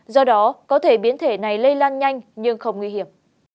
do đó có thể biến thể này lây lan nhanh nhưng không nguy hiểm